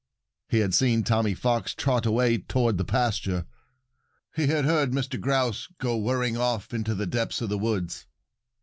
He had seen Tommy Fox trot away toward the pasture. He had heard Mr. Grouse go whirring off into the depths of the woods.